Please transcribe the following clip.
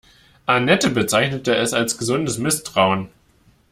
Anette bezeichnet es als gesundes Misstrauen.